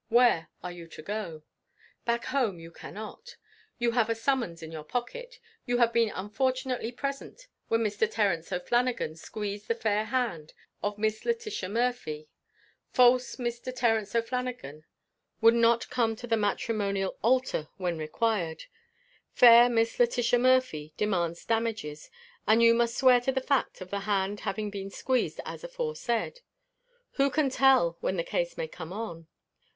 where are you to go? Back home you cannot. You have a summons in your pocket; you have been unfortunately present when Mr. Terence O'Flanagan squeezed the fair hand of Miss Letitia Murphy; false Mr. Terence O'Flanagan would not come to the matrimonial altar when required; fair Miss Letitia Murphy demands damages, and you must swear to the fact of the hand having been squeezed as aforesaid. Who can tell when the case may come on?